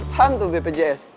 apaan tuh bpjs